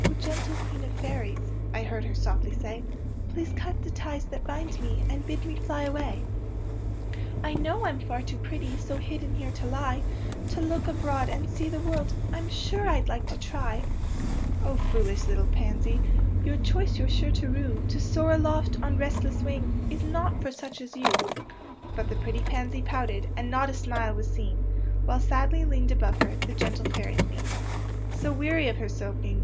'' gentle Queen of Fairies,'* I heard her softly say, '' Please cut the ties that bind me, And bid me fly away. 81 82 PANSY AND FORGET ME NOT '' I know I'm far too pretty So hidden here to lie; To look abroad and see the world, I'm sure I'd like to try." '^ foolish little pansy, Your choice j^ou're sure to rue; To soar aloft, on restless wing, Is not for such as you." But the pretty pansy pouted, And not a smile was seen, Wliile sadly leaned above her The gentle Fairy Queen. So, weary of her sulking.